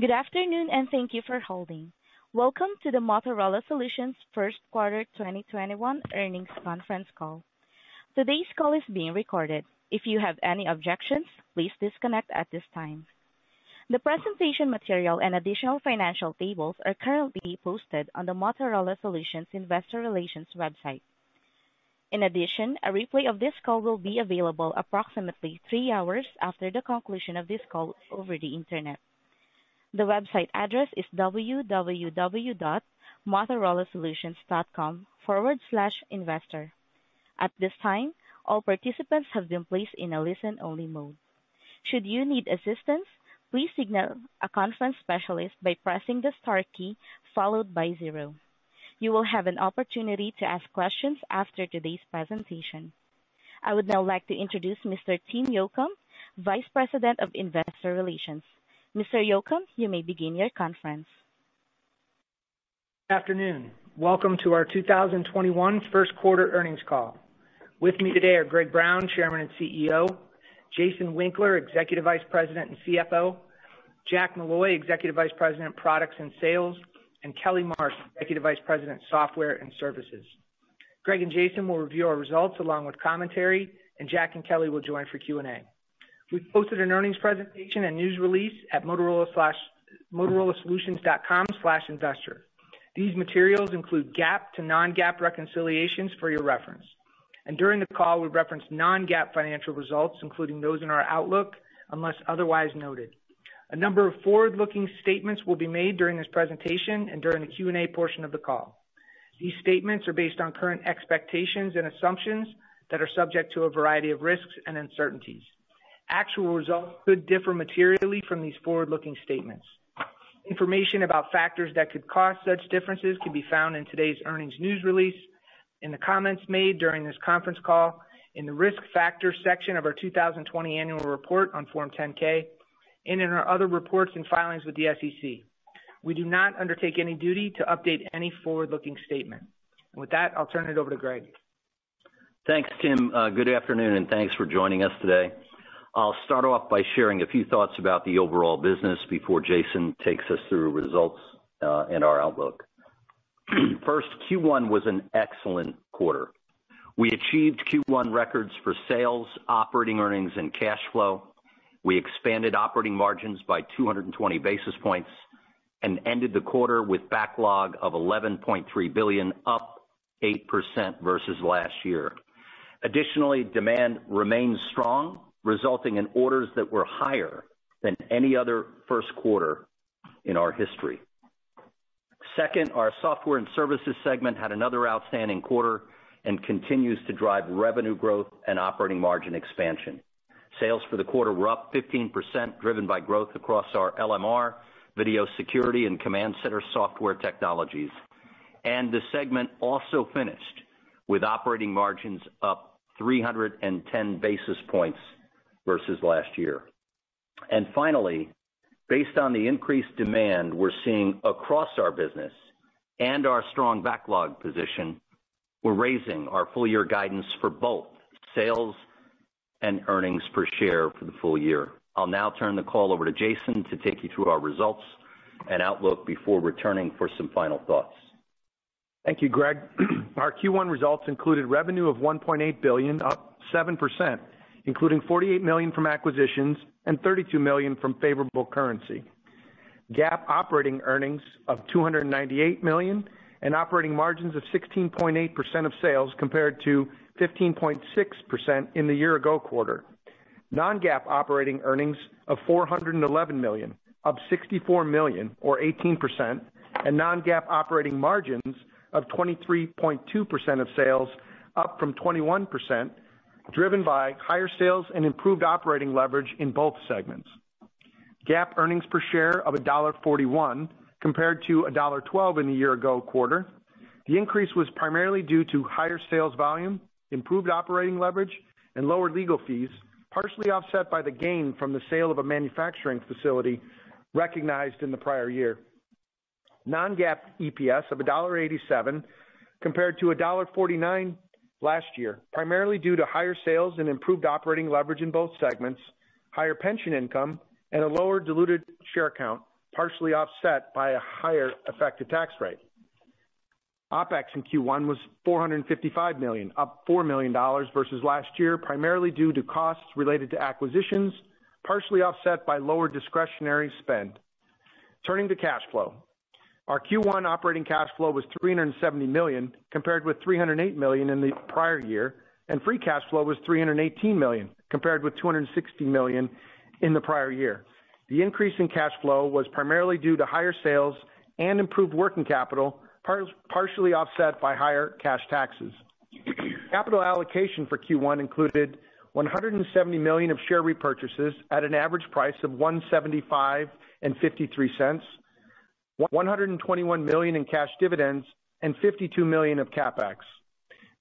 Good afternoon. Thank you for holding. Welcome to the Motorola Solutions first quarter 2021 earnings conference call. Today's call is being recorded. If you have any objections, please disconnect at this time. The presentation material and additional financial tables are currently posted on the Motorola Solutions investor relations website. A replay of this call will be available approximately three hours after the conclusion of this call over the Internet. The website address is www.motorolasolutions.com/investor. At this time, all participants have been placed in a listen-only mode. Should you need assistance, please signal a conference specialist by pressing the star key followed by zero. You will have an opportunity to ask questions after today's presentation. I would now like to introduce Mr. Tim Yocum, Vice President of Investor Relations. Mr. Yocum, you may begin your conference. Afternoon. Welcome to our 2021 first quarter earnings call. With me today are Greg Brown, Chairman and CEO, Jason Winkler, Executive Vice President and CFO, Jack Molloy, Executive Vice President, Products and Sales, and Kelly Mark, Executive Vice President, Software and Services. Greg and Jason will review our results along with commentary. Jack and Kelly will join for Q&A. We've posted an earnings presentation and news release at motorolasolutions.com/investor. These materials include GAAP to non-GAAP reconciliations for your reference. During the call, we reference non-GAAP financial results, including those in our outlook, unless otherwise noted. A number of forward-looking statements will be made during this presentation and during the Q&A portion of the call. These statements are based on current expectations and assumptions that are subject to a variety of risks and uncertainties. Actual results could differ materially from these forward-looking statements. Information about factors that could cause such differences can be found in today's earnings news release, in the comments made during this conference call, in the Risk Factors section of our 2020 annual report on Form 10-K, and in our other reports and filings with the SEC. We do not undertake any duty to update any forward-looking statement. With that, I'll turn it over to Greg. Thanks, Tim. Good afternoon, and thanks for joining us today. I'll start off by sharing a few thoughts about the overall business before Jason takes us through results and our outlook. First, Q1 was an excellent quarter. We achieved Q1 records for sales, operating earnings, and cash flow. We expanded operating margins by 220 basis points and ended the quarter with backlog of $11.3 billion, up 8% versus last year. Additionally, demand remains strong, resulting in orders that were higher than any other first quarter in our history. Second, our Software and Services segment had another outstanding quarter and continues to drive revenue growth and operating margin expansion. Sales for the quarter were up 15%, driven by growth across our LMR, video security, and command center software technologies. The segment also finished with operating margins up 310 basis points versus last year. Finally, based on the increased demand we're seeing across our business and our strong backlog position, we're raising our full-year guidance for both sales and earnings per share for the full year. I'll now turn the call over to Jason to take you through our results and outlook before returning for some final thoughts. Thank you, Greg. Our Q1 results included revenue of $1.8 billion, up 7%, including $48 million from acquisitions and $32 million from favorable currency. GAAP operating earnings of $298 million and operating margins of 16.8% of sales, compared to 15.6% in the year-ago quarter. Non-GAAP operating earnings of $411 million, up $64 million or 18%, and non-GAAP operating margins of 23.2% of sales, up from 21%, driven by higher sales and improved operating leverage in both segments. GAAP earnings per share of $1.41 compared to $1.12 in the year-ago quarter. The increase was primarily due to higher sales volume, improved operating leverage, and lower legal fees, partially offset by the gain from the sale of a manufacturing facility recognized in the prior year. Non-GAAP EPS of $1.87, compared to $1.49 last year, primarily due to higher sales and improved operating leverage in both segments, higher pension income, and a lower diluted share count, partially offset by a higher effective tax rate. OpEx in Q1 was $455 million, up $4 million versus last year, primarily due to costs related to acquisitions, partially offset by lower discretionary spend. Turning to cash flow. Our Q1 operating cash flow was $370 million, compared with $308 million in the prior year, and free cash flow was $318 million, compared with $260 million in the prior year. The increase in cash flow was primarily due to higher sales and improved working capital, partially offset by higher cash taxes. Capital allocation for Q1 included $170 million of share repurchases at an average price of $175.53, $121 million in cash dividends, and $52 million of CapEx.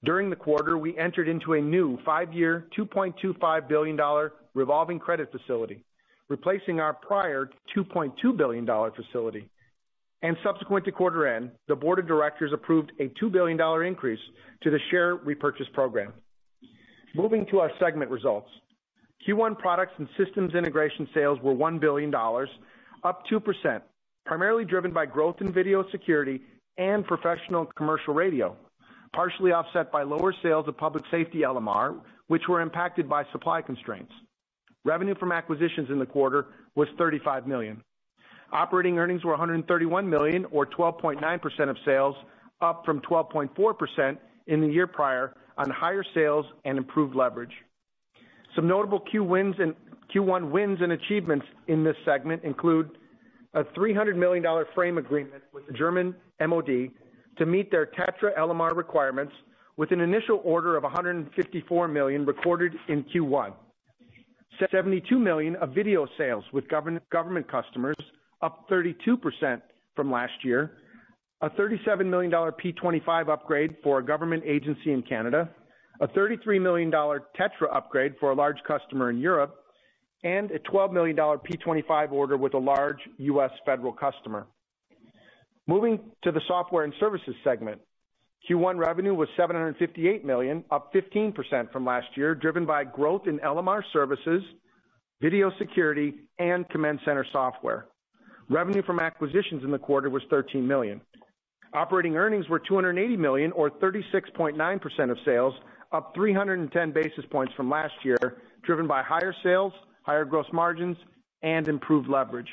During the quarter, we entered into a new five-year, $2.25 billion revolving credit facility, replacing our prior $2.2 billion facility. Subsequent to quarter end, the board of directors approved a $2 billion increase to the share repurchase program. Moving to our segment results. Q1 products and systems integration sales were $1 billion, up 2%, primarily driven by growth in video security and professional commercial radio, partially offset by lower sales of public safety LMR, which were impacted by supply constraints. Revenue from acquisitions in the quarter was $35 million. Operating earnings were $131 million or 12.9% of sales, up from 12.4% in the year prior on higher sales and improved leverage. Some notable Q1 wins and achievements in this segment include a $300 million frame agreement with the German MOD to meet their TETRA LMR requirements with an initial order of $154 million recorded in Q1. $72 million of video sales with government customers up 32% from last year. A $37 million P25 upgrade for a government agency in Canada, a $33 million TETRA upgrade for a large customer in Europe, and a $12 million P25 order with a large U.S. federal customer. Moving to the software and services segment. Q1 revenue was $758 million, up 15% from last year, driven by growth in LMR services, video security, and command center software. Revenue from acquisitions in the quarter was $13 million. Operating earnings were $280 million or 36.9% of sales, up 310 basis points from last year, driven by higher sales, higher gross margins, and improved leverage.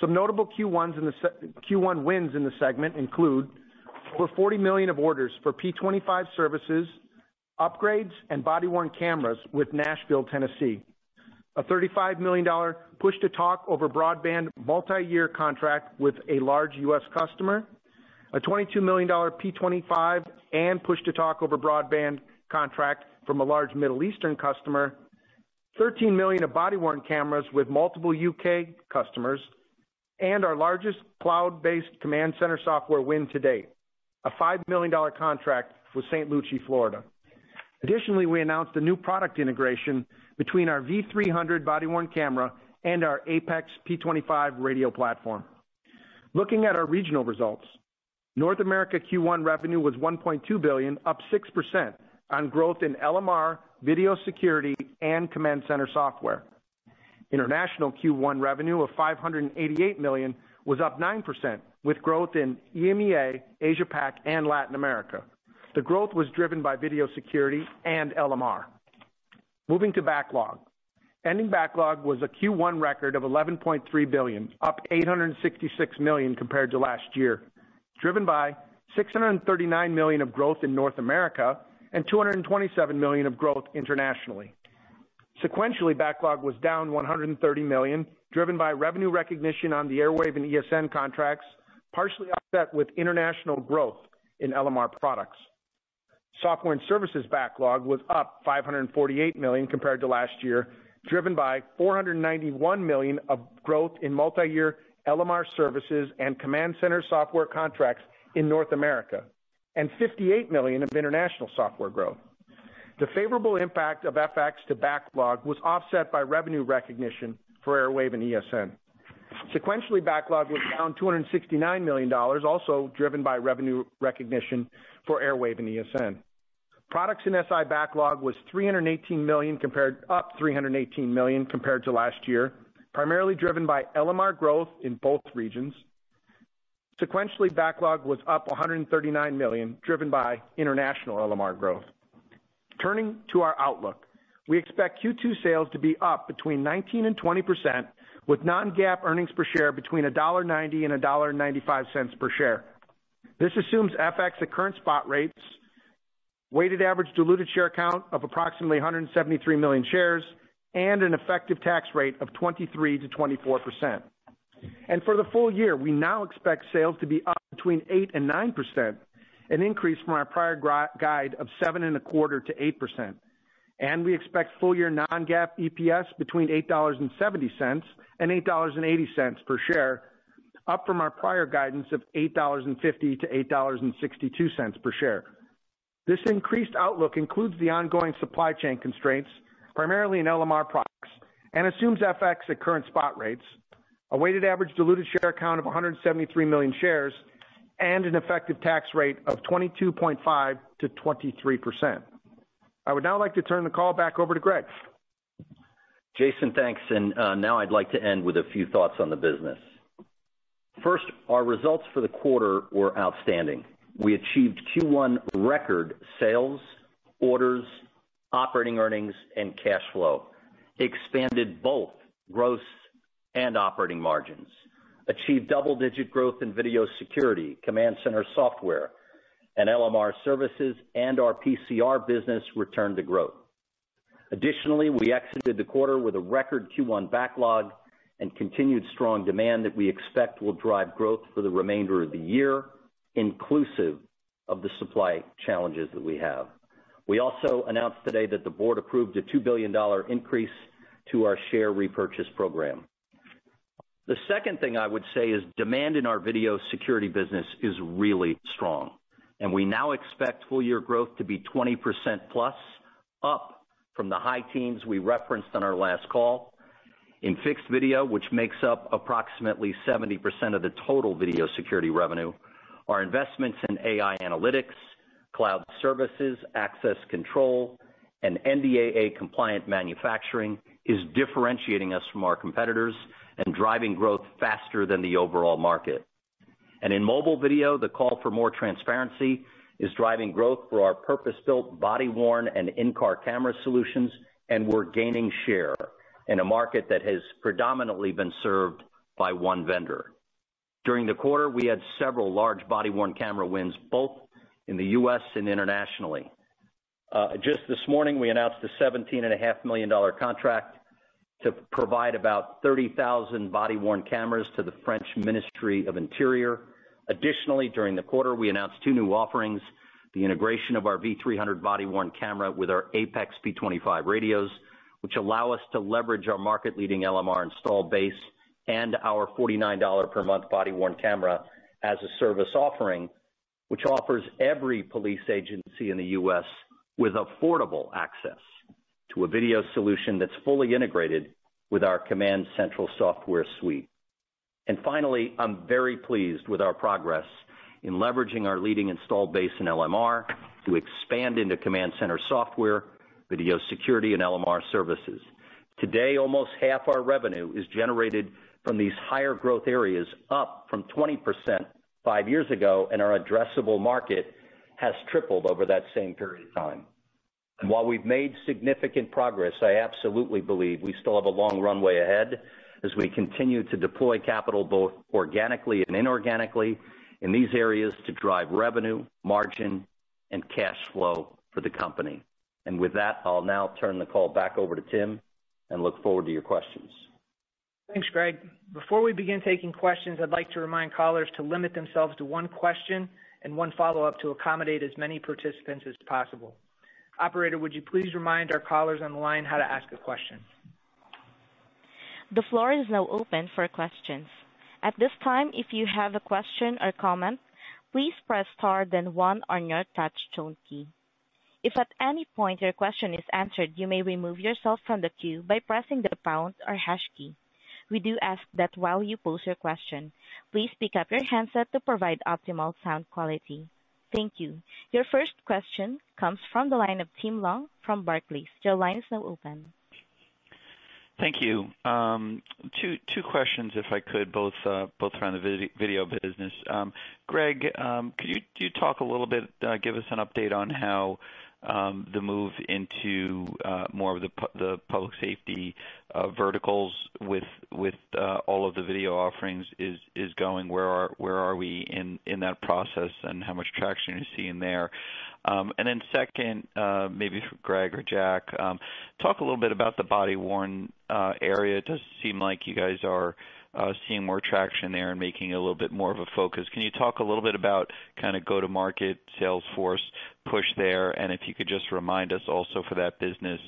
Some notable Q1 wins in the segment include over $40 million of orders for P25 services, upgrades, and body-worn cameras with Nashville, Tennessee. A $35 million push-to-talk over broadband multi-year contract with a large U.S. customer, a $22 million P25, and push-to-talk over broadband contract from a large Middle Eastern customer, $13 million of body-worn cameras with multiple U.K. customers, and our largest cloud-based command center software win to date, a $5 million contract with St. Lucie, Florida. Additionally, we announced a new product integration between our V300 body-worn camera and our APX P25 radio platform. Looking at our regional results. North America Q1 revenue was $1.2 billion, up 6% on growth in LMR, video security, and command center software. International Q1 revenue of $588 million was up 9%, with growth in EMEA, Asia PAC, and Latin America. The growth was driven by video security and LMR. Moving to backlog. Ending backlog was a Q1 record of $11.3 billion, up $866 million compared to last year, driven by $639 million of growth in North America and $227 million of growth internationally. Sequentially, backlog was down $130 million, driven by revenue recognition on the Airwave and ESN contracts, partially offset with international growth in LMR products. Software and services backlog was up $548 million compared to last year, driven by $491 million of growth in multi-year LMR services and command center software contracts in North America, and $58 million of international software growth. The favorable impact of FX to backlog was offset by revenue recognition for Airwave and ESN. Sequentially, backlog was down $269 million, also driven by revenue recognition for Airwave and ESN. Products and SI backlog was up $318 million compared to last year, primarily driven by LMR growth in both regions. Sequentially, backlog was up $139 million, driven by international LMR growth. Turning to our outlook. We expect Q2 sales to be up between 19% and 20%, with non-GAAP earnings per share between $1.90 and $1.95 per share. This assumes FX at current spot rates, weighted average diluted share count of approximately 173 million shares, and an effective tax rate of 23%-24%. For the full year, we now expect sales to be up between 8% and 9%, an increase from our prior guide of 7.25%-8%. We expect full-year non-GAAP EPS between $8.70 and $8.80 per share, up from our prior guidance of $8.50-$8.62 per share. This increased outlook includes the ongoing supply chain constraints, primarily in LMR products, and assumes FX at current spot rates, a weighted average diluted share count of 173 million shares, and an effective tax rate of 22.5%-23%. I would now like to turn the call back over to Greg. Jason, thanks. Now I'd like to end with a few thoughts on the business. First, our results for the quarter were outstanding. We achieved Q1 record sales, orders, operating earnings, and cash flow, expanded both gross and operating margins, achieved double-digit growth in video security, command center software, and LMR services, and our PCR business returned to growth. Additionally, we exited the quarter with a record Q1 backlog and continued strong demand that we expect will drive growth for the remainder of the year, inclusive of the supply challenges that we have. We also announced today that the board approved a $2 billion increase to our share repurchase program. The second thing I would say is demand in our video security business is really strong, we now expect full year growth to be 20% plus, up from the high teens we referenced on our last call. In fixed video, which makes up approximately 70% of the total video security revenue, our investments in AI analytics, cloud services, access control, and NDAA-compliant manufacturing is differentiating us from our competitors and driving growth faster than the overall market. In mobile video, the call for more transparency is driving growth for our purpose-built body-worn and in-car camera solutions, and we're gaining share in a market that has predominantly been served by one vendor. During the quarter, we had several large body-worn camera wins, both in the U.S. and internationally. Just this morning, we announced a $17.5 million contract to provide about 30,000 body-worn cameras to the French Ministry of the Interior. Additionally, during the quarter, we announced two new offerings, the integration of our V300 body-worn camera with our APX P25 radios, which allow us to leverage our market-leading LMR install base and our $49 per month body-worn camera as a service offering, which offers every police agency in the U.S. with affordable access to a video solution that's fully integrated with our CommandCentral software suite. Finally, I'm very pleased with our progress in leveraging our leading installed base in LMR to expand into CommandCentral software, video security, and LMR services. Today, almost half our revenue is generated from these higher growth areas, up from 20% five years ago. Our addressable market has tripled over that same period of time. While we've made significant progress, I absolutely believe we still have a long runway ahead as we continue to deploy capital both organically and inorganically in these areas to drive revenue, margin, and cash flow for the company. With that, I'll now turn the call back over to Tim and look forward to your questions. Thanks, Greg. Before we begin taking questions, I'd like to remind callers to limit themselves to one question and one follow-up to accommodate as many participants as possible. Operator, would you please remind our callers on the line how to ask a question? The floor is now open for questions. At this time, if you have a question or comment, please press star then one on your touch tone key. If at any point your question is answered, you may remove yourself from the queue by pressing the pound or hash key. We do ask that while you pose your question, please pick up your handset to provide optimal sound quality. Thank you. Your first question comes from the line of Tim Long from Barclays. Your line is now open. Thank you. Two questions, if I could, both around the video business. Greg, could you talk a little bit, give us an update on how the move into more of the public safety verticals with all of the video offerings is going? Where are we in that process, and how much traction are you seeing there? Second, maybe for Greg or Jack, talk a little bit about the body-worn area. It does seem like you guys are seeing more traction there and making it a little bit more of a focus. Can you talk a little bit about kind of go-to-market sales force push there? If you could just remind us also for that business,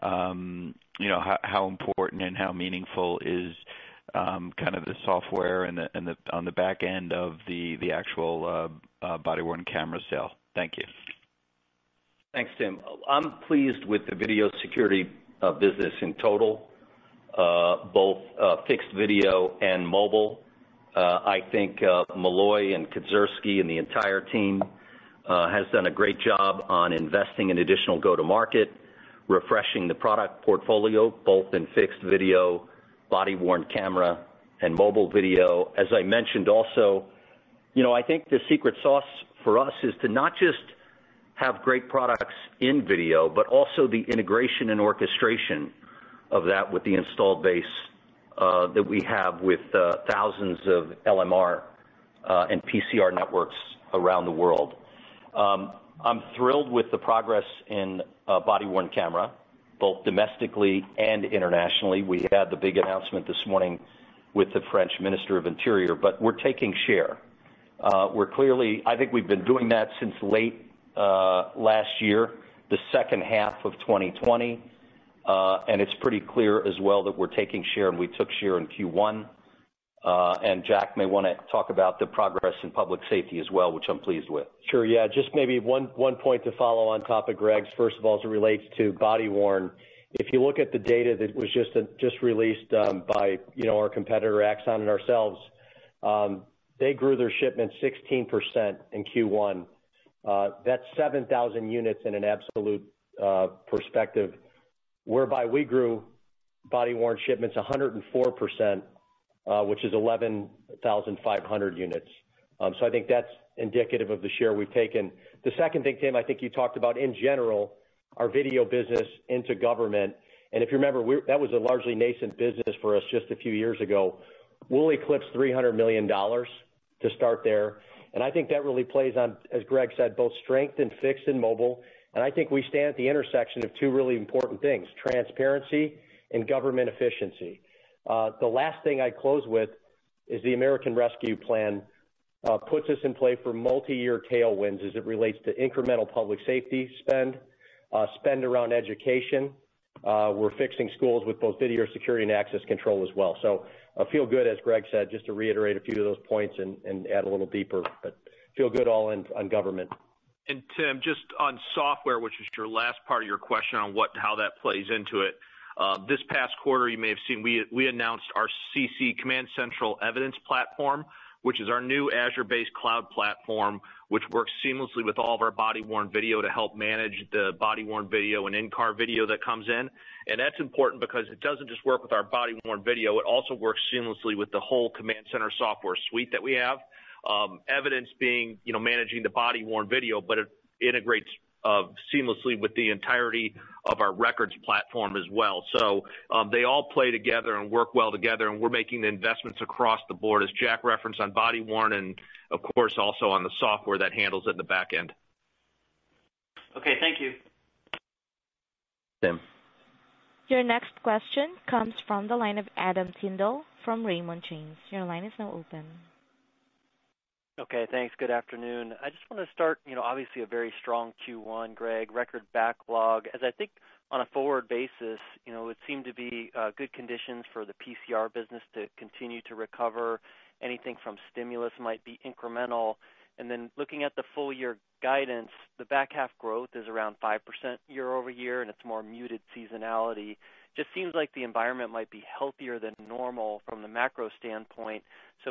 how important and how meaningful is kind of the software on the back-end of the actual body-worn camera sale? Thank you. Thanks, Tim. I'm pleased with the video security business in total, both fixed video and mobile. I think Molloy and Kedzierski and the entire team has done a great job on investing in additional go-to-market, refreshing the product portfolio, both in fixed video, body-worn camera, and mobile video. As I mentioned also, I think the secret sauce for us is to not just have great products in video, but also the integration and orchestration of that with the installed base that we have with thousands of LMR and PCR networks around the world. I'm thrilled with the progress in body-worn camera, both domestically and internationally. We had the big announcement this morning with the French Minister of Interior, but we're taking share. I think we've been doing that since late last year, the second half of 2020. It's pretty clear as well that we're taking share, and we took share in Q1. Jack may want to talk about the progress in public safety as well, which I'm pleased with. Sure, yeah. Maybe one point to follow on top of Greg's. As it relates to body-worn, if you look at the data that was just released by our competitor, Axon, and ourselves, they grew their shipments 16% in Q1. That's 7,000 units in an absolute perspective, whereby we grew body-worn shipments 104%, which is 11,500 units. I think that's indicative of the share we've taken. The second thing, Tim, I think you talked about in general, our video business into government. If you remember, that was a largely nascent business for us just a few years ago. We'll eclipse $300 million to start there. I think that really plays on, as Greg said, both strength in fixed and mobile. I think we stand at the intersection of two really important things, transparency and government efficiency. The last thing I close with is the American Rescue Plan puts us in play for multi-year tailwinds as it relates to incremental public safety spend around education. We're fixing schools with both video security and access control as well. I feel good, as Greg said, just to reiterate a few of those points and add a little deeper, but feel good all in on government. Tim, just on software, which was your last part of your question on how that plays into it. This past quarter, you may have seen, we announced our CommandCentral Evidence Platform, which is our new Azure-based cloud platform, which works seamlessly with all of our body-worn video to help manage the body-worn video and in-car video that comes in. That's important because it doesn't just work with our body-worn video, it also works seamlessly with the whole CommandCentral software suite that we have. Evidence managing the body-worn video, it integrates seamlessly with the entirety of our records platform as well. They all play together and work well together, and we're making the investments across the board, as Jack referenced on body-worn, and of course, also on the software that handles at the back end. Okay. Thank you. Tim. Your next question comes from the line of Adam Tindle from Raymond James. Your line is now open. Okay, thanks. Good afternoon. I just want to start, obviously a very strong Q1, Greg, record backlog. I think on a forward basis, it seemed to be good conditions for the PCR business to continue to recover. Anything from stimulus might be incremental. Looking at the full-year guidance, the back half growth is around 5% year-over-year, and it's more muted seasonality. Just seems like the environment might be healthier than normal from the macro standpoint.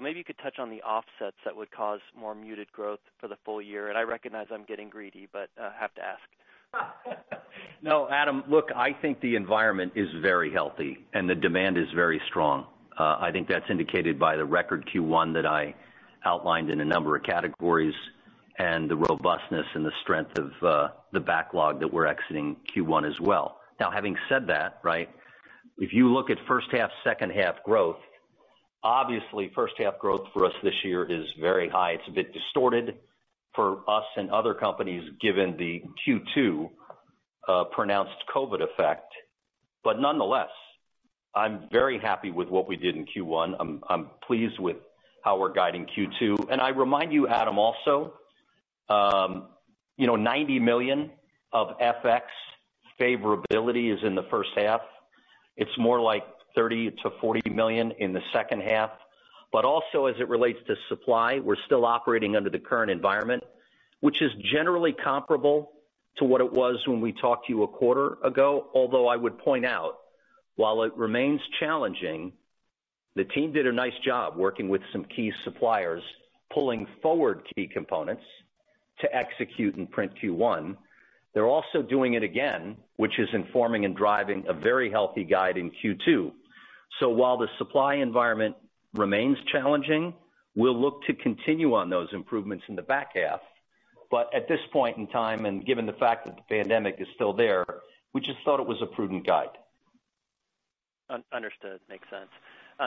Maybe you could touch on the offsets that would cause more muted growth for the full-year. I recognize I'm getting greedy, but I have to ask. No, Adam, look, I think the environment is very healthy, and the demand is very strong. I think that's indicated by the record Q1 that I outlined in a number of categories, and the robustness and the strength of the backlog that we're exiting Q1 as well. Having said that, if you look at first half, second half growth, obviously first half growth for us this year is very high. It's a bit distorted for us and other companies given the Q2 pronounced COVID effect. Nonetheless, I'm very happy with what we did in Q1. I'm pleased with how we're guiding Q2. I remind you, Adam, also, $90 million of FX favorability is in the first half. It's more like $30 million-$40 million in the second half. Also, as it relates to supply, we're still operating under the current environment, which is generally comparable to what it was when we talked to you a quarter ago. Although I would point out, while it remains challenging, the team did a nice job working with some key suppliers, pulling forward key components to execute and print Q1. They're also doing it again, which is informing and driving a very healthy guide in Q2. While the supply environment remains challenging, we'll look to continue on those improvements in the back half. At this point in time, and given the fact that the pandemic is still there, we just thought it was a prudent guide. Understood. Makes sense.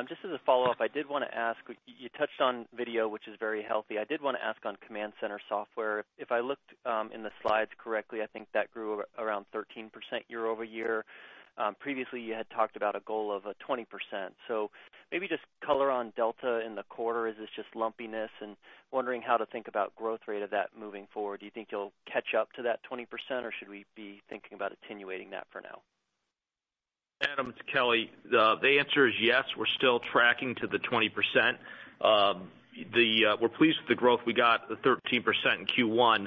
Just as a follow-up, I did want to ask, you touched on video, which is very healthy. I did want to ask on command center software. If I looked in the slides correctly, I think that grew around 13% year-over-year. Previously, you had talked about a goal of 20%. Maybe just color on delta in the quarter. Is this just lumpiness? Wondering how to think about growth rate of that moving forward. Do you think you'll catch up to that 20%, or should we be thinking about attenuating that for now? Adam, it's Kelly. The answer is yes, we're still tracking to the 20%. We're pleased with the growth we got, the 13% in Q1.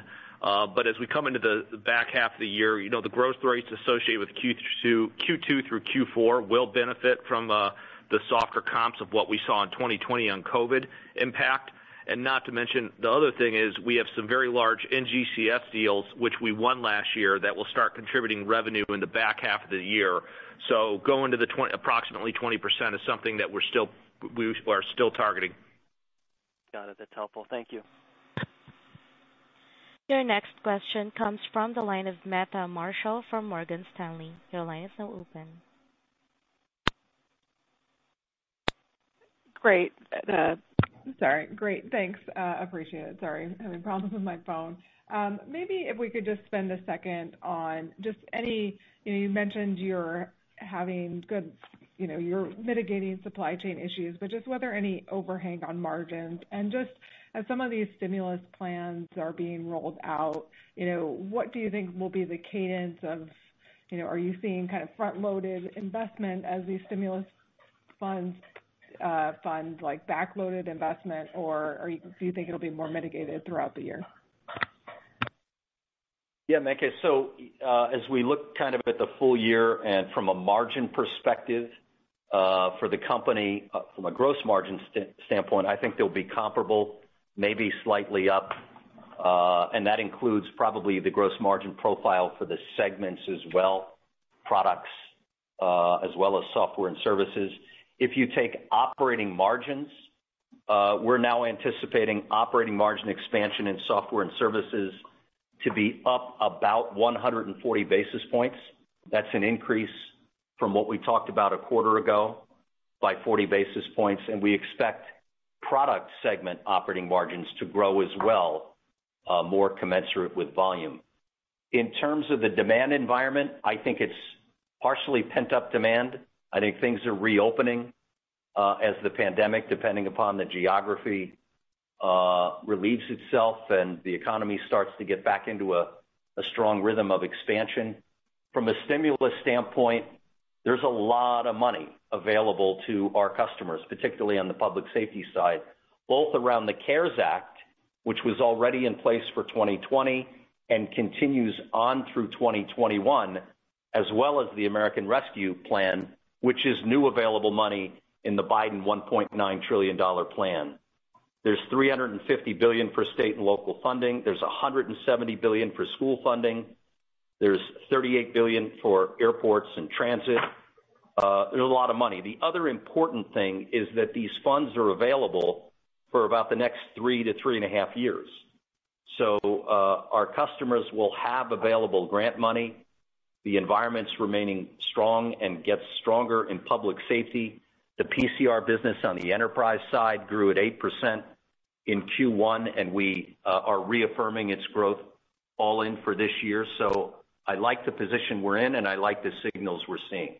As we come into the back half of the year, the growth rates associated with Q2 through Q4 will benefit from the softer comps of what we saw in 2020 on COVID impact. Not to mention, the other thing is we have some very large NGCS deals, which we won last year, that will start contributing revenue in the back half of the year. Going to the approximately 20% is something that we are still targeting. Got it. That's helpful. Thank you. Your next question comes from the line of Meta Marshall from Morgan Stanley. Your line is now open. Great. Sorry. Great. Thanks. Appreciate it. Sorry, I'm having problems with my phone. Maybe if we could just spend a second on, you mentioned you're mitigating supply chain issues, but just whether any overhang on margins? Just as some of these stimulus plans are being rolled out, what do you think will be the cadence of, are you seeing kind of front-loaded investment as these stimulus funds back-loaded investment, or do you think it'll be more mitigated throughout the year? Yeah, Meta. As we look kind of at the full year and from a margin perspective, for the company from a gross margin standpoint, I think they'll be comparable, maybe slightly up. That includes probably the gross margin profile for the segments as well, products, as well as software and services. If you take operating margins, we're now anticipating operating margin expansion in software and services to be up about 140 basis points. That's an increase from what we talked about a quarter ago by 40 basis points. We expect product segment operating margins to grow as well, more commensurate with volume. In terms of the demand environment, I think it's partially pent-up demand. I think things are reopening, as the pandemic, depending upon the geography, relieves itself and the economy starts to get back into a strong rhythm of expansion. From a stimulus standpoint, there's a lot of money available to our customers, particularly on the public safety side, both around the CARES Act, which was already in place for 2020 and continues on through 2021, as well as the American Rescue Plan, which is new available money in the Biden $1.9 trillion plan. There's $350 billion for state and local funding. There's $170 billion for school funding. There's $38 billion for airports and transit. There's a lot of money. The other important thing is that these funds are available for about the next three to three and a half years. Our customers will have available grant money. The environment's remaining strong and gets stronger in public safety. The PCR business on the enterprise side grew at 8% in Q1. We are reaffirming its growth all in for this year. I like the position we're in, and I like the signals we're seeing.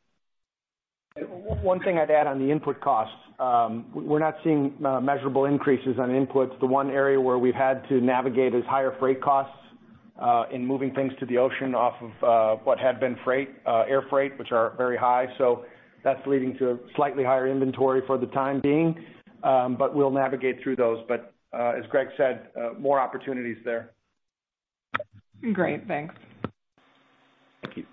One thing I'd add on the input costs. We're not seeing measurable increases on inputs. The one area where we've had to navigate is higher freight costs, in moving things to the ocean off of what had been air freight, which are very high. That's leading to slightly higher inventory for the time being. We'll navigate through those. As Greg said, more opportunities there. Great. Thanks. Thank you.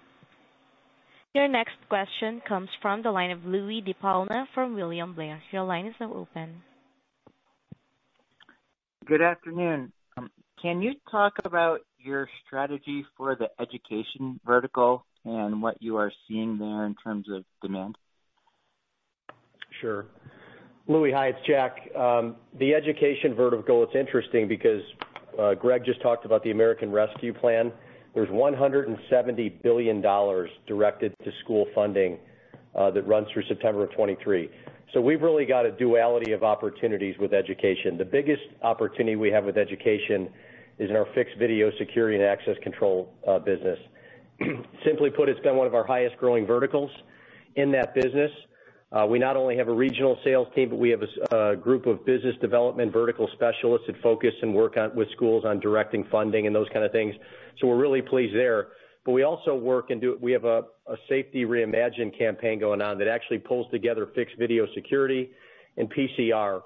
Your next question comes from the line of Louie DiPalma from William Blair. Your line is now open. Good afternoon. Can you talk about your strategy for the education vertical and what you are seeing there in terms of demand? Sure. Louie, hi, it's Jack. The education vertical, it's interesting because Greg just talked about the American Rescue Plan. There's $170 billion directed to school funding that runs through September of 2023. We've really got a duality of opportunities with education. The biggest opportunity we have with education is in our fixed video security and access control business. Simply put, it's been one of our highest growing verticals in that business. We not only have a regional sales team, but we have a group of business development vertical specialists that focus and work with schools on directing funding and those kind of things. We're really pleased there. We have a safety reimagined campaign going on that actually pulls together fixed video security and PCR,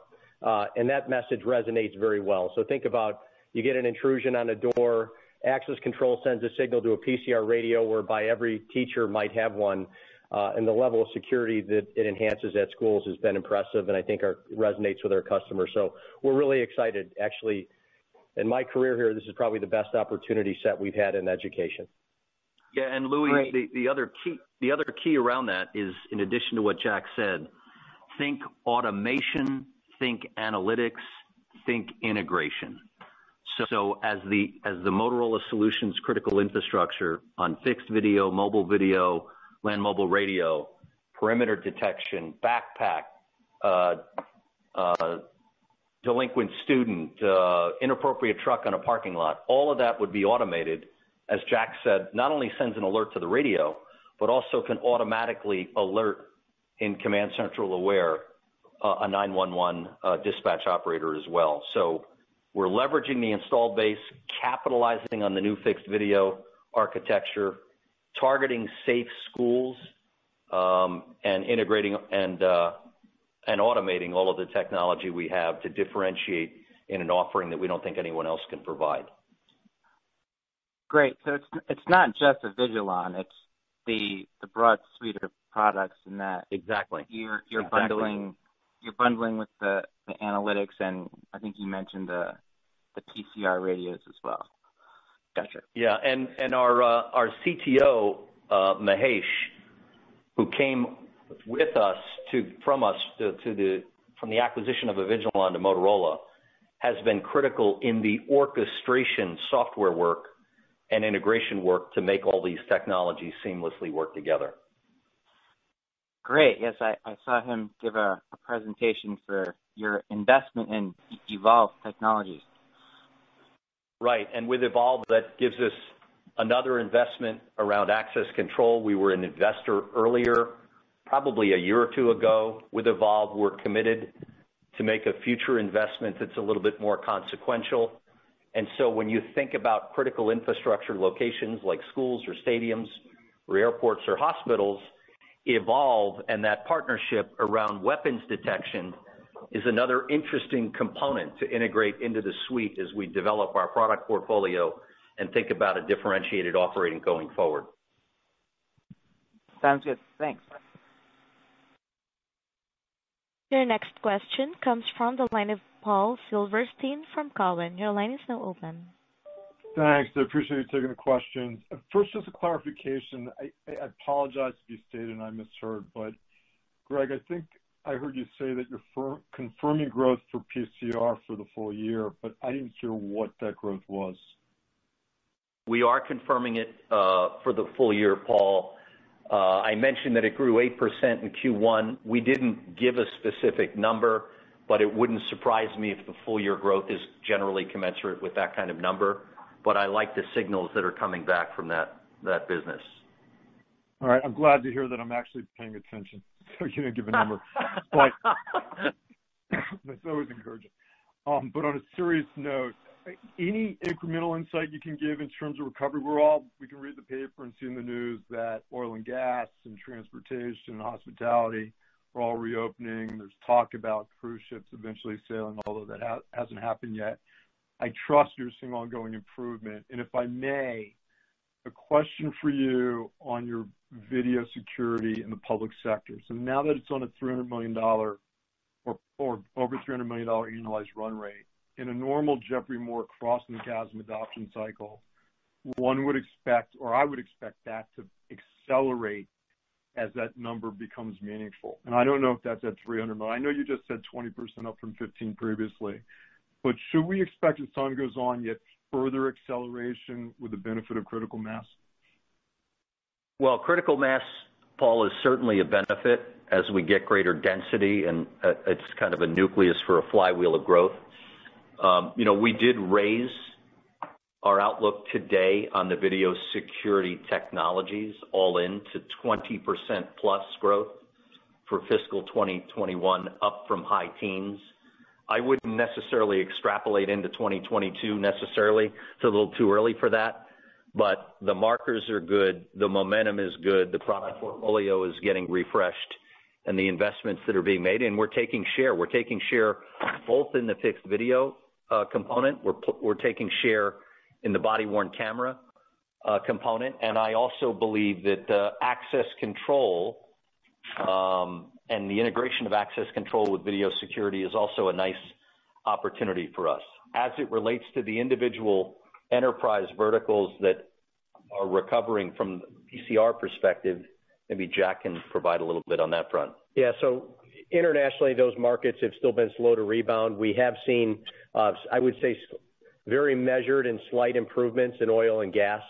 and that message resonates very well. Think about, you get an intrusion on a door, access control sends a signal to a PCR radio whereby every teacher might have one, and the level of security that it enhances at schools has been impressive, and I think resonates with our customers. We're really excited. Actually, in my career here, this is probably the best opportunity set we've had in education. Yeah. The other key around that is, in addition to what Jack said, think automation, think analytics, think integration. As the Motorola Solutions critical infrastructure on fixed video, mobile video, land mobile radio, perimeter detection, backpack, delinquent student, inappropriate truck on a parking lot, all of that would be automated, as Jack said, not only sends an alert to the radio, but also can automatically alert in CommandCentral Aware, a 911 dispatch operator as well. We're leveraging the install base, capitalizing on the new fixed video architecture, targeting safe schools, and integrating and automating all of the technology we have to differentiate in an offering that we don't think anyone else can provide. Great. It's not just Avigilon, it's the broad suite of products and that. Exactly You're bundling with the analytics, and I think you mentioned the PCR radios as well. Got you. Yeah. Our CTO, Mahesh, who came from us from the acquisition of Avigilon to Motorola, has been critical in the orchestration software work and integration work to make all these technologies seamlessly work together. Great. Yes, I saw him give a presentation for your investment in Evolv Technologies. Right. With Evolv, that gives us another investment around access control. We were an investor earlier, probably a year or two ago, with Evolv. We're committed to make a future investment that's a little bit more consequential. When you think about critical infrastructure locations like schools or stadiums or airports or hospitals, Evolv, and that partnership around weapons detection, is another interesting component to integrate into the suite as we develop our product portfolio and think about a differentiated offering going forward. Sounds good. Thanks. Your next question comes from the line of Paul Silverstein from Cowen. Your line is now open. Thanks. I appreciate you taking the question. First, just a clarification. I apologize if you stated and I misheard, but Greg, I think I heard you say that you're confirming growth for PCR for the full year, but I didn't hear what that growth was. We are confirming it for the full year, Paul. I mentioned that it grew 8% in Q1. We didn't give a specific number, but it wouldn't surprise me if the full-year growth is generally commensurate with that kind of number. I like the signals that are coming back from that business. All right. I'm glad to hear that I'm actually paying attention so you didn't give a number. That's always encouraging. On a serious note, any incremental insight you can give in terms of recovery? We can read the paper and see in the news that oil and gas and transportation and hospitality are all reopening. There's talk about cruise ships eventually sailing, although that hasn't happened yet. I trust you're seeing ongoing improvement. If I may, a question for you on your video security in the public sector. Now that it's on a $300 million or over $300 million annualized run rate, in a normal Geoffrey Moore crossing the chasm adoption cycle, one would expect, or I would expect that to accelerate as that number becomes meaningful. I don't know if that's at $300 million. I know you just said 20% up from 15 previously. Should we expect as time goes on, yet further acceleration with the benefit of critical mass? Well, critical mass, Paul, is certainly a benefit as we get greater density, and it's kind of a nucleus for a flywheel of growth. We did raise our outlook today on the video security technologies all in to 20% plus growth for fiscal 2021 up from high teens. I wouldn't necessarily extrapolate into 2022 necessarily. It's a little too early for that. The markers are good, the momentum is good, the product portfolio is getting refreshed, and the investments that are being made, and we're taking share. We're taking share both in the fixed video component. We're taking share in the body-worn camera component. I also believe that the access control, and the integration of access control with video security is also a nice opportunity for us. As it relates to the individual enterprise verticals that are recovering from PCR perspective, maybe Jack can provide a little bit on that front. Yeah. Internationally, those markets have still been slow to rebound. We have seen, I would say, very measured and slight improvements in oil and gas,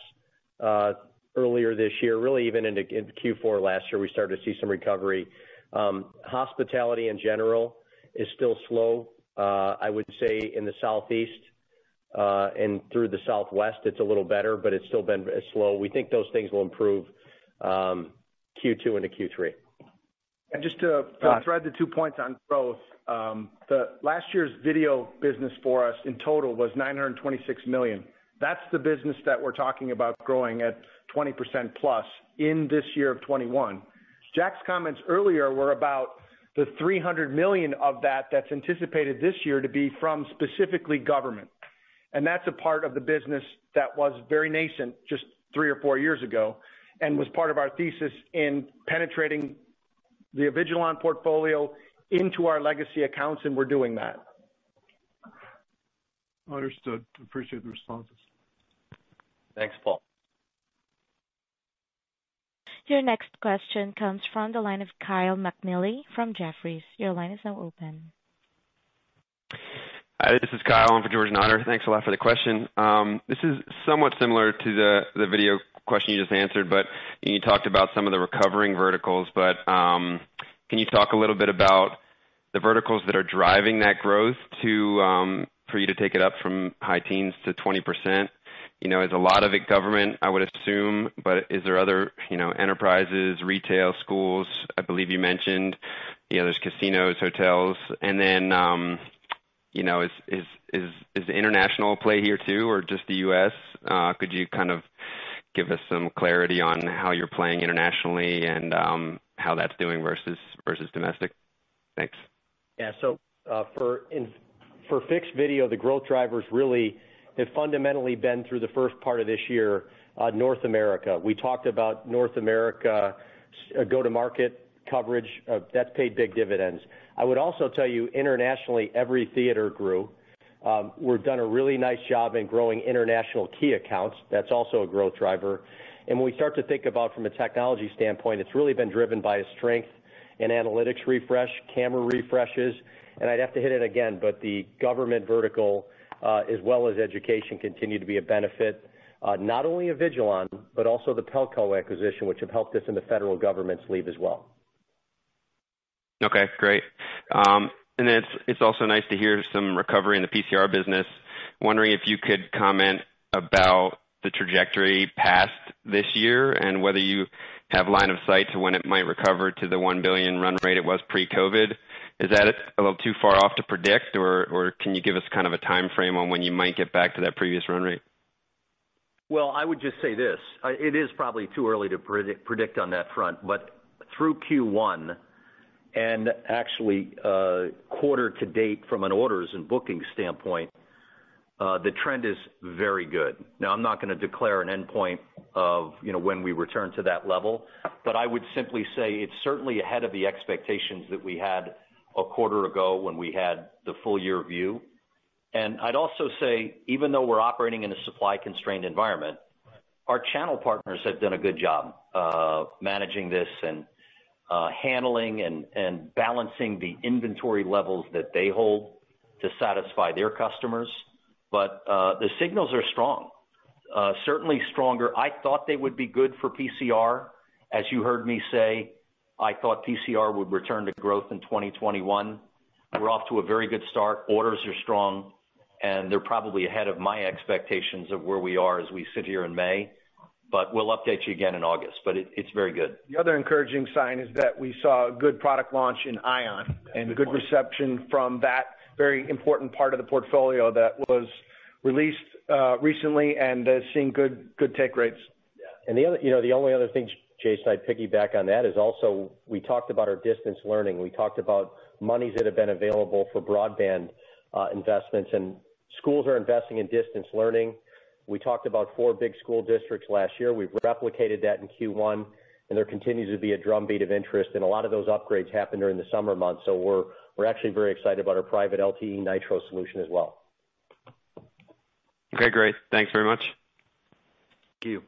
earlier this year. Really even into Q4 last year, we started to see some recovery. Hospitality in general is still slow. I would say in the Southeast, and through the Southwest, it's a little better, but it's still been slow. We think those things will improve Q2 into Q3. Just to thread the two points on growth. Last year's video business for us in total was $926 million. That's the business that we're talking about growing at 20% plus in this year of 2021. Jack's comments earlier were about the $300 million of that that's anticipated this year to be from specifically government. That's a part of the business that was very nascent just three or four years ago and was part of our thesis in penetrating the Avigilon portfolio into our legacy accounts, and we're doing that. Understood. Appreciate the responses. Thanks, Paul. Your next question comes from the line of Kyle McNealy from Jefferies. Your line is now open. Hi, this is Kyle. I'm for George and Hunter. Thanks a lot for the question. This is somewhat similar to the video question you just answered, but you talked about some of the recovering verticals. Can you talk a little bit about the verticals that are driving that growth for you to take it up from high teens to 20%? Is a lot of it government, I would assume, but is there other enterprises, retail, schools? I believe you mentioned there's casinos, hotels. Is the international play here too or just the U.S.? Could you kind of give us some clarity on how you're playing internationally and how that's doing versus domestic? Thanks. For fixed video, the growth drivers really have fundamentally been through the first part of this year, North America. We talked about North America go-to-market coverage. That's paid big dividends. I would also tell you internationally, every theater grew. We've done a really nice job in growing international key accounts. That's also a growth driver. When we start to think about from a technology standpoint, it's really been driven by a strength in analytics refresh, camera refreshes. I'd have to hit it again, but the government vertical, as well as education continue to be a benefit, not only of Avigilon, but also the Pelco acquisition, which have helped us in the federal government sleeve as well. Okay, great. It's also nice to hear some recovery in the PCR business. Wondering if you could comment about the trajectory past this year and whether you have line of sight to when it might recover to the $1 billion run rate it was pre-COVID. Is that a little too far off to predict, or can you give us kind of a timeframe on when you might get back to that previous run rate? I would just say this, it is probably too early to predict on that front, but through Q1 and actually quarter to date from an orders and booking standpoint, the trend is very good. I'm not gonna declare an endpoint of when we return to that level, but I would simply say it's certainly ahead of the expectations that we had a quarter ago when we had the full-year view. I'd also say, even though we're operating in a supply-constrained environment, our channel partners have done a good job of managing this and handling and balancing the inventory levels that they hold to satisfy their customers. The signals are strong. Certainly stronger. I thought they would be good for PCR. As you heard me say, I thought PCR would return to growth in 2021. We're off to a very good start. Orders are strong, and they're probably ahead of my expectations of where we are as we sit here in May. We'll update you again in August. It's very good. The other encouraging sign is that we saw a good product launch in Ion. Good reception from that very important part of the portfolio that was released recently and has seen good take rates. Yeah. The only other thing, Jason, I'd piggyback on that, is also we talked about our distance learning. We talked about monies that have been available for broadband investments, and schools are investing in distance learning. We talked about four big school districts last year. We've replicated that in Q1, and there continues to be a drumbeat of interest, and a lot of those upgrades happen during the summer months. We're actually very excited about our private LTE Nitro solution as well. Okay, great. Thanks very much. Thank you.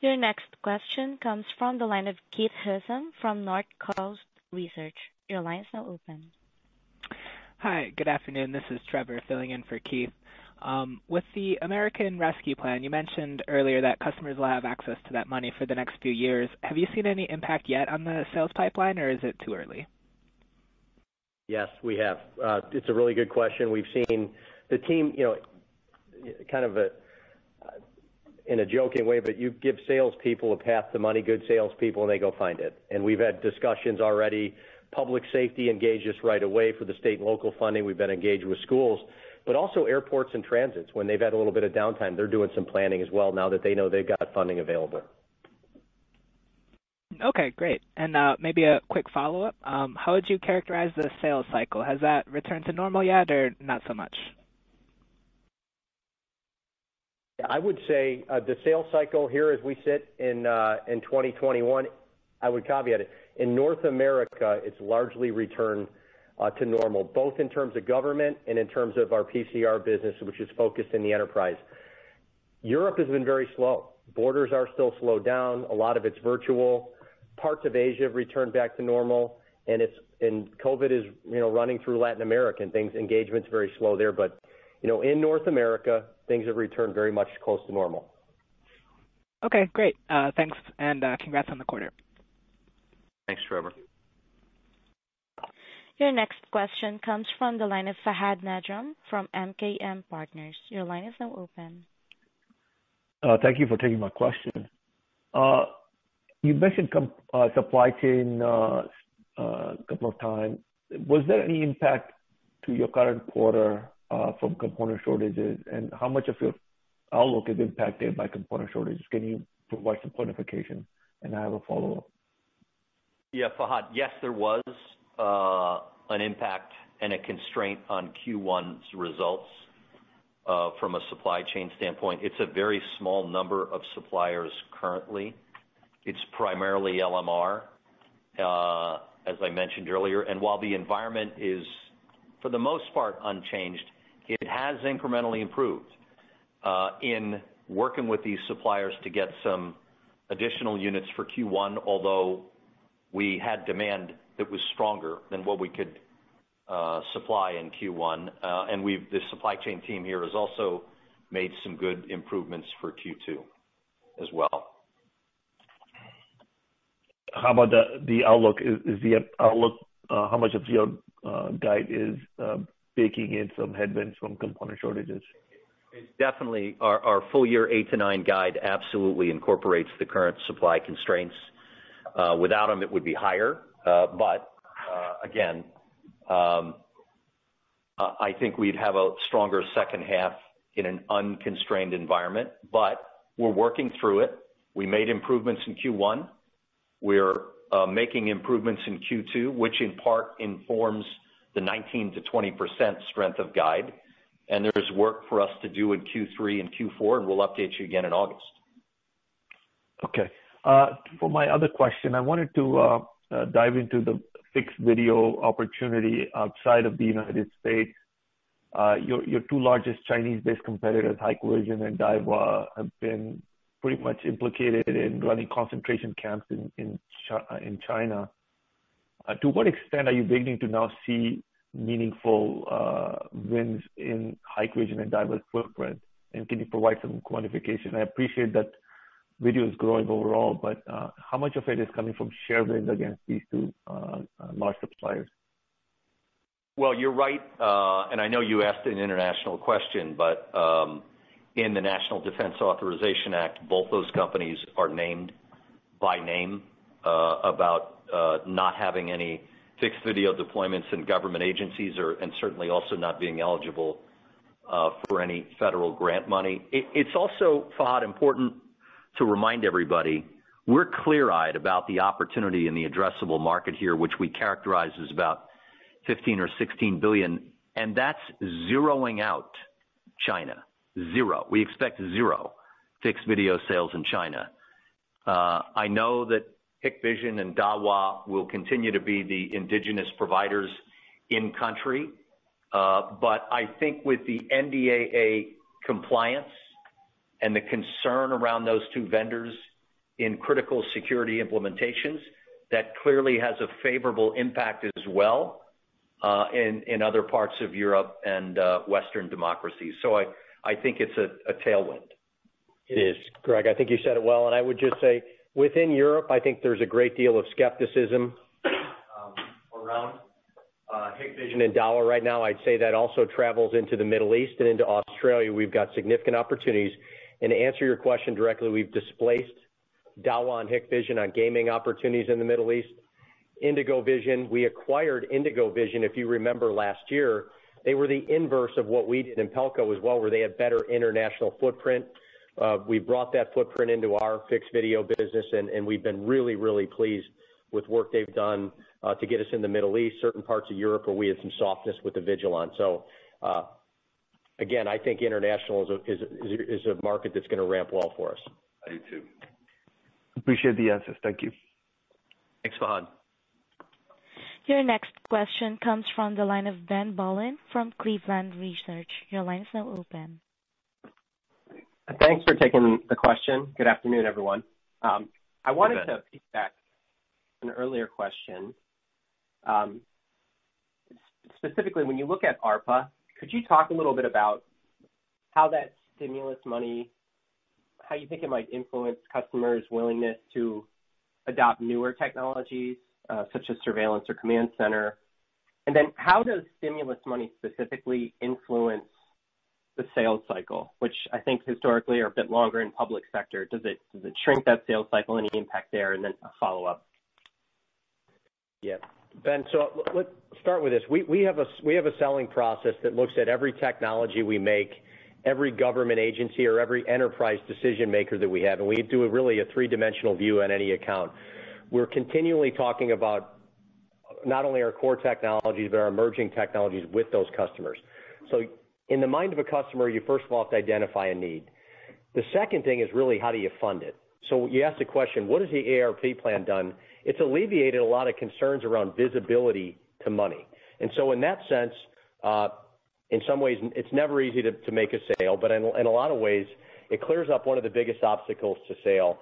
Your next question comes from the line of Keith Housum from Northcoast Research. Your line is now open. Hi, good afternoon. This is Trevor filling in for Keith. With the American Rescue Plan, you mentioned earlier that customers will have access to that money for the next few years. Have you seen any impact yet on the sales pipeline, or is it too early? Yes, we have. It's a really good question. The team, kind of in a joking way, but you give salespeople a path to money, good salespeople, and they go find it. We've had discussions already. Public safety engaged us right away for the state and local funding. We've been engaged with schools. Also, airports and transits. When they've had a little bit of downtime, they're doing some planning as well now that they know they've got funding available. Okay, great. Maybe a quick follow-up. How would you characterize the sales cycle? Has that returned to normal yet or not so much? I would say the sales cycle here as we sit in 2021, I would caveat it. In North America, it's largely returned to normal, both in terms of government and in terms of our PCR business, which is focused in the enterprise. Europe has been very slow. Borders are still slowed down. A lot of it's virtual. Parts of Asia have returned back to normal. COVID is running through Latin America, and engagement's very slow there. In North America, things have returned very much close to normal. Okay, great. Thanks, and congrats on the quarter. Thanks, Trevor. Your next question comes from the line of Fahad Najam from MKM Partners. Your line is now open. Thank you for taking my question. You mentioned supply chain a couple of times. Was there any impact to your current quarter from component shortages? How much of your outlook is impacted by component shortages? Can you provide some quantification? I have a follow-up. Yeah, Fahad. Yes, there was an impact and a constraint on Q1's results from a supply chain standpoint. It's a very small number of suppliers currently. It's primarily LMR, as I mentioned earlier. While the environment is, for the most part, unchanged, it has incrementally improved in working with these suppliers to get some additional units for Q1, although we had demand that was stronger than what we could supply in Q1. The supply chain team here has also made some good improvements for Q2 as well. How about the outlook? How much of your guide is baking in some headwinds from component shortages? It definitely, our full year 8%-9% guide absolutely incorporates the current supply constraints. Without them, it would be higher. Again, I think we'd have a stronger second half in an unconstrained environment. We're working through it. We made improvements in Q1. We're making improvements in Q2, which in part informs the 19%-20% strength of guide. There's work for us to do in Q3 and Q4, and we'll update you again in August. Okay. For my other question, I wanted to dive into the fixed video opportunity outside of the United States. Your two largest Chinese-based competitors, Hikvision and Dahua, have been pretty much implicated in running concentration camps in China. To what extent are you beginning to now see meaningful wins in Hikvision and Dahua's footprint? Can you provide some quantification? I appreciate that video is growing overall, but how much of it is coming from share wins against these two large suppliers? You're right, and I know you asked an international question, but in the National Defense Authorization Act, both those companies are named by name about not having any fixed video deployments in government agencies and certainly also not being eligible for any federal grant money. It's also, Fahad, important to remind everybody, we're clear-eyed about the opportunity in the addressable market here, which we characterize as about $15 billion or $16 billion, and that's zeroing out China. Zero. We expect zero fixed video sales in China. I know that Hikvision and Dahua will continue to be the indigenous providers in country. I think with the NDAA compliance and the concern around those two vendors in critical security implementations, that clearly has a favorable impact as well in other parts of Europe and Western democracies. I think it's a tailwind. It is, Greg. I think you said it well. I would just say within Europe, I think there's a great deal of skepticism around Hikvision and Dahua right now. I'd say that also travels into the Middle East and into Australia. We've got significant opportunities. To answer your question directly, we've displaced Dahua and Hikvision on gaming opportunities in the Middle East. IndigoVision, we acquired IndigoVision, if you remember last year. They were the inverse of what we did in Pelco as well, where they had better international footprint. We brought that footprint into our fixed video business, and we've been really, really pleased with work they've done, to get us in the Middle East, certain parts of Europe where we had some softness with the Avigilon. Again, I think international is a market that's going to ramp well for us. I do too. Appreciate the answers. Thank you. Thanks, Fahad. Your next question comes from the line of Ben Bollin from Cleveland Research. Thanks for taking the question. Good afternoon, everyone. I wanted to piggyback an earlier question. Specifically, when you look at ARPA, could you talk a little bit about how that stimulus money, how you think it might influence customers' willingness to adopt newer technologies such as surveillance or command center? How does stimulus money specifically influence the sales cycle, which I think historically are a bit longer in public sector? Does it shrink that sales cycle? Any impact there? A follow-up. Yeah. Ben, let's start with this. We have a selling process that looks at every technology we make, every government agency or every enterprise decision maker that we have, and we do really a three-dimensional view on any account. We're continually talking about not only our core technologies, but our emerging technologies with those customers. In the mind of a customer, you first of all have to identify a need. The second thing is really how do you fund it? You asked the question, what has the ARP plan done? It's alleviated a lot of concerns around visibility to money. In that sense, in some ways, it's never easy to make a sale, but in a lot of ways, it clears up one of the biggest obstacles to sale.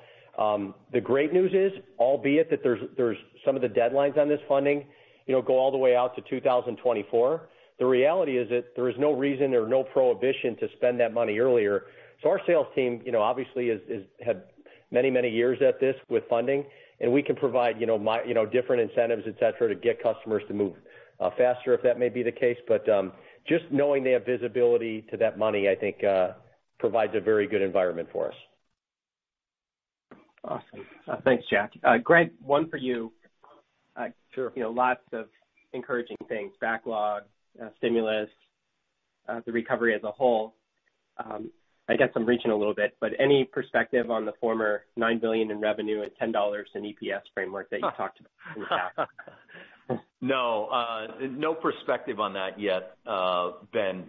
The great news is, albeit that there's some of the deadlines on this funding go all the way out to 2024. The reality is that there is no reason, there is no prohibition to spend that money earlier. Our sales team obviously had many, many years at this with funding, and we can provide different incentives, et cetera, to get customers to move faster if that may be the case. Just knowing they have visibility to that money, I think, provides a very good environment for us. Awesome. Thanks, Jack. Greg, one for you. Lots of encouraging things, backlog, stimulus, the recovery as a whole. I guess I'm reaching a little bit, but any perspective on the former $9 billion in revenue and $10 in EPS framework that you talked about in the past? No. No perspective on that yet, Ben.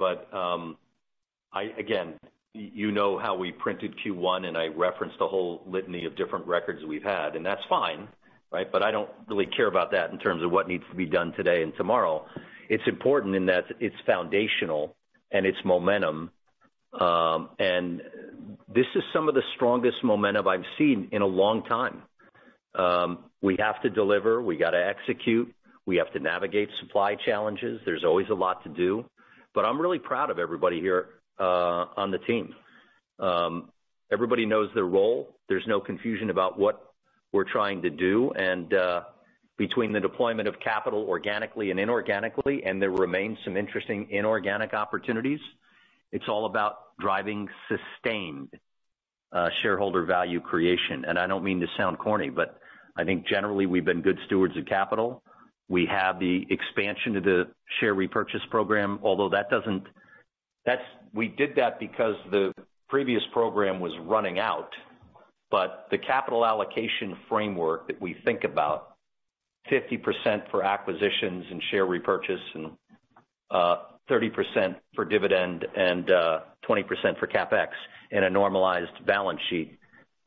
Again, you know how we printed Q1, and I referenced a whole litany of different records we've had, and that's fine. I don't really care about that in terms of what needs to be done today and tomorrow. It's important in that it's foundational and it's momentum. This is some of the strongest momentum I've seen in a long time. We have to deliver. We got to execute. We have to navigate supply challenges. There's always a lot to do, but I'm really proud of everybody here on the team. Everybody knows their role. There's no confusion about what we're trying to do. Between the deployment of capital organically and inorganically, and there remains some interesting inorganic opportunities. It's all about driving sustained shareholder value creation. I don't mean to sound corny, but I think generally we've been good stewards of capital. We have the expansion to the share repurchase program, although we did that because the previous program was running out. The capital allocation framework that we think about, 50% for acquisitions and share repurchase, 30% for dividend, and 20% for CapEx in a normalized balance sheet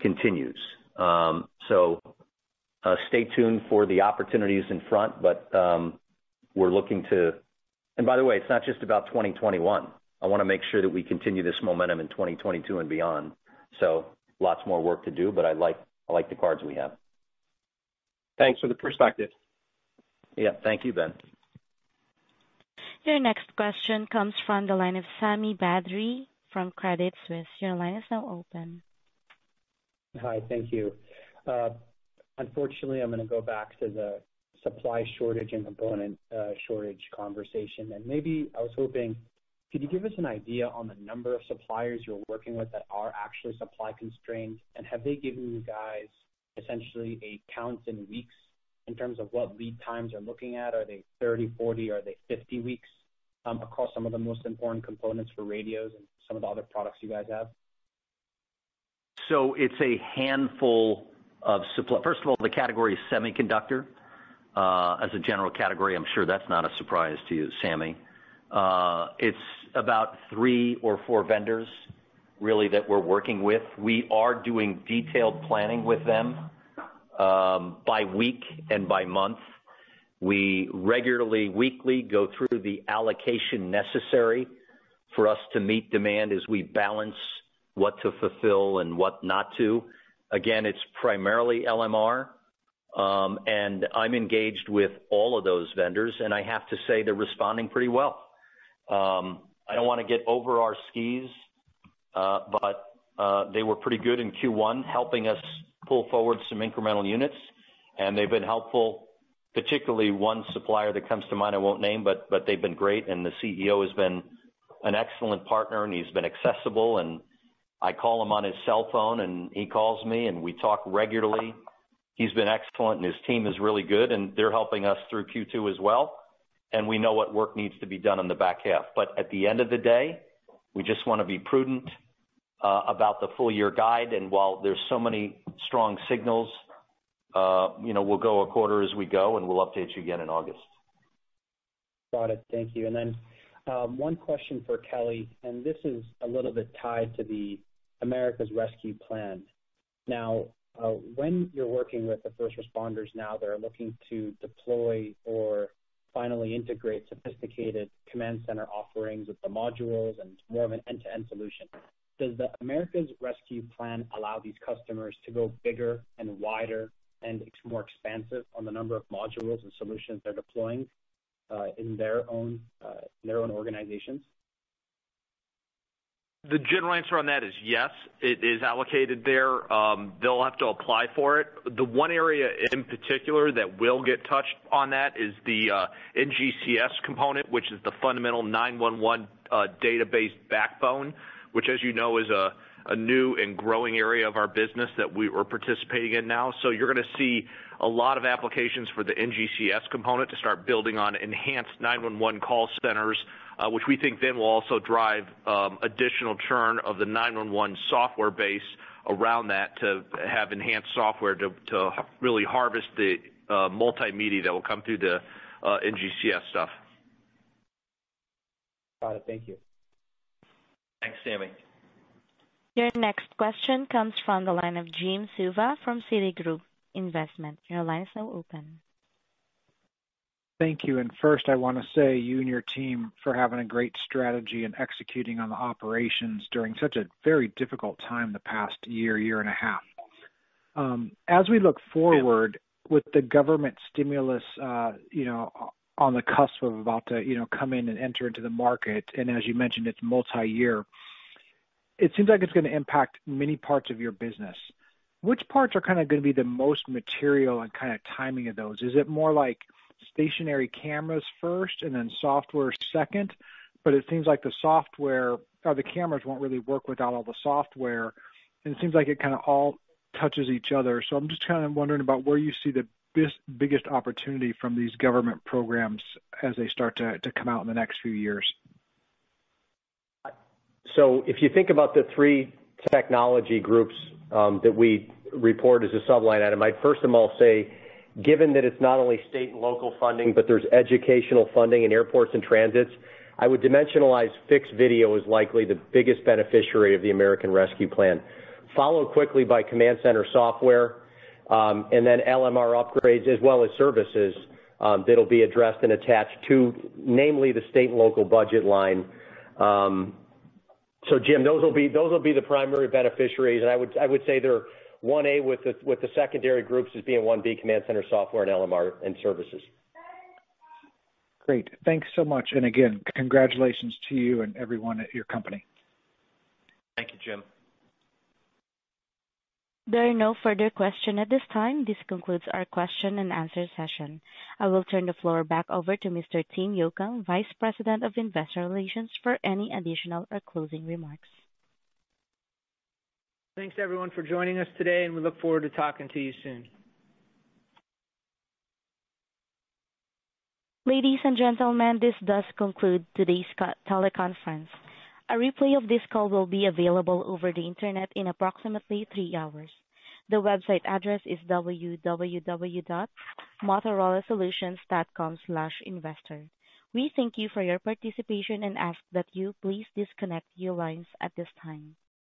continues. Stay tuned for the opportunities in front. By the way, it's not just about 2021. I want to make sure that we continue this momentum in 2022 and beyond. Lots more work to do, but I like the cards we have. Thanks for the perspective. Yeah. Thank you, Ben. Your next question comes from the line of Sami Badri from Credit Suisse. Your line is now open. Hi. Thank you. Unfortunately, I'm going to go back to the supply shortage and component shortage conversation. Maybe I was hoping, could you give us an idea on the number of suppliers you're working with that are actually supply constrained? Have they given you guys essentially a count in weeks in terms of what lead times you're looking at? Are they 30, 40, are they 50 weeks across some of the most important components for radios and some of the other products you guys have? It's a handful of supply. First of all, the category is semiconductor. As a general category, I'm sure that's not a surprise to you, Sami. It's about three or four vendors really that we're working with. We are doing detailed planning with them by week and by month. We regularly, weekly go through the allocation necessary for us to meet demand as we balance what to fulfill and what not to. Again, it's primarily LMR. I'm engaged with all of those vendors, and I have to say they're responding pretty well. I don't want to get over our skis, but they were pretty good in Q1, helping us pull forward some incremental units, and they've been helpful. Particularly one supplier that comes to mind, I won't name, but they've been great, and the CEO has been an excellent partner, and he's been accessible, and I call him on his cell phone, and he calls me, and we talk regularly. He's been excellent, and his team is really good, and they're helping us through Q2 as well, and we know what work needs to be done on the back half. At the end of the day, we just want to be prudent about the full-year guide. While there's so many strong signals, we'll go a quarter as we go, and we'll update you again in August. Got it. Thank you. One question for Kelly, and this is a little bit tied to the American Rescue Plan. Now, when you're working with the first responders now that are looking to deploy or finally integrate sophisticated command center offerings with the modules and more of an end-to-end solution, does the American Rescue Plan allow these customers to go bigger and wider and more expansive on the number of modules and solutions they're deploying in their own organizations? The general answer on that is yes. It is allocated there. They'll have to apply for it. The one area in particular that will get touched on that is the NGCS component, which is the fundamental 911 database backbone, which, as you know, is a new and growing area of our business that we are participating in now. You're going to see a lot of applications for the NGCS component to start building on enhanced 911 call centers, which we think then will also drive additional churn of the 911 software base around that to have enhanced software to really harvest the multimedia that will come through the NGCS stuff. Got it. Thank you. Thanks, Sami. Your next question comes from the line of Jim Suva from Citigroup Investment. Your line is now open. Thank you. First, I want to say you and your team for having a great strategy and executing on the operations during such a very difficult time the past year and a half. As we look forward with the government stimulus on the cusp of about to come in and enter into the market, and as you mentioned, it's multi-year, it seems like it's going to impact many parts of your business. Which parts are going to be the most material and kind of timing of those? Is it more like stationary cameras first and then software second? It seems like the cameras won't really work without all the software, and it seems like it kind of all touches each other. I'm just kind of wondering about where you see the biggest opportunity from these government programs as they start to come out in the next few years. If you think about the three technology groups that we report as a sub-line item, I first of all say, given that it's not only state and local funding, but there's educational funding in airports and transits, I would dimensionalize fixed video as likely the biggest beneficiary of the American Rescue Plan, followed quickly by command center software, and then LMR upgrades as well as services that'll be addressed and attached to, namely, the state and local budget line. Jim, those will be the primary beneficiaries. I would say they're one A with the secondary groups as being one B, command center software and LMR and services. Great. Thanks so much. Again, congratulations to you and everyone at your company. Thank you, Jim. There are no further questions at this time. This concludes our question-and-answer session. I will turn the floor back over to Mr. Tim Yocum, Vice President of Investor Relations, for any additional or closing remarks. Thanks everyone for joining us today, and we look forward to talking to you soon. Ladies and gentlemen, this does conclude today's teleconference. A replay of this call will be available over the internet in approximately three hours. The website address is www.motorolasolutions.com/investor. We thank you for your participation and ask that you please disconnect your lines at this time.